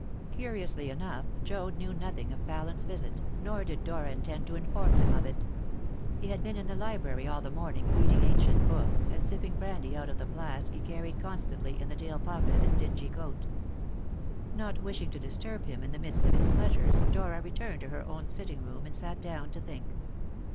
Curiously enough, Joad knew nothing of Pallant's visit, nor did Dora intend to inform him of it. He had been in the library all the morning, reading ancient books, and sipping brandy out of the flask he carried constantly in the tail pocket of his dingy coat. Not wishing to disturb him in the midst of his pleasures, Dora returned to her own sitting room, and sat down to think.